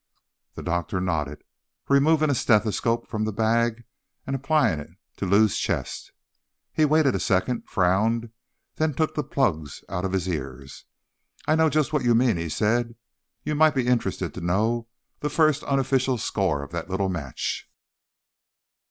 The doctor nodded, removing a stethoscope from the bag and applying it to Lou's chest. He waited a second, frowned and then took the plugs out of his ears. "I know just what you mean," he said. "You might be interested to know the first unofficial score of that little match."